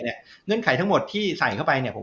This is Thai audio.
เงื่อนไขทั้งหมดที่ใส่เข้าไป